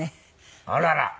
あらら！